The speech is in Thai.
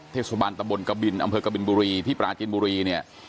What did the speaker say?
เทศบาลตะบนกบินอำเภอกบินบุรีที่ปราจินบุรีเนี่ย